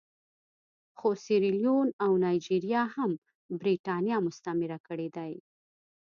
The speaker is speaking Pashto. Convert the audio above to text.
خو سیریلیون او نایجیریا هم برېټانیا مستعمره کړي دي.